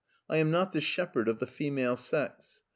I am not the shepherd of the female sex.